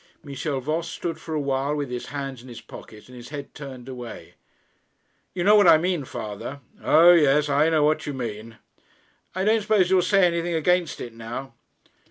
Michel Voss stood for a while with his hands in his pockets and his head turned away. 'You know what I mean, father.' 'O yes; I know what you mean.' 'I don't suppose you'll say anything against it now.'